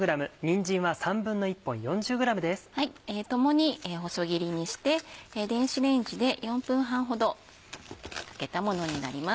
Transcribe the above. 共に細切りにして電子レンジで４分半ほどかけたものになります。